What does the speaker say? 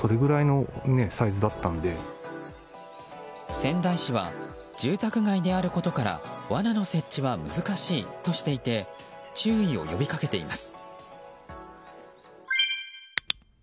仙台市は住宅街であることから罠の設置は難しいとしていて注意を呼び掛けています。